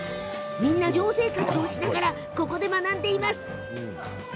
みんな寮生活をしながらここで学んでいます。